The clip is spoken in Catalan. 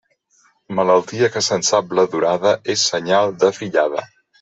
Malaltia que se'n sap la durada és senyal de fillada.